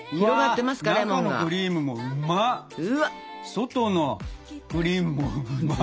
外のクリームもうまっ！